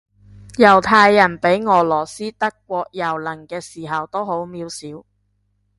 猶太人畀俄羅斯德國蹂躪嘅時候都好渺小